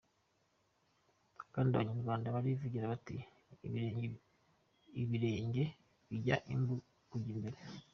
Kandi Abanyarwanda barivugira bati : “ibirenge bijya imbu kujya imbere”.